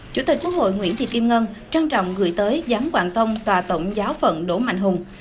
chủ tịch quốc hội nguyễn thị kim ngân trân trọng gửi tới giám quảng tông tòa tổng giáo phận đỗ mạnh hùng